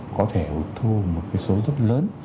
có thể thu một cái số rất lớn